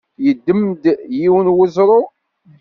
Yeddem-d yiwen n weẓru.